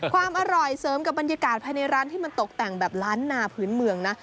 ความอร่อยเสริมกับบรรยากาศภายในร้านที่มันตกแต่งแบบล้านนาพื้นเมืองนะ